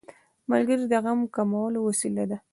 ملګری د غم کمولو وسیله ده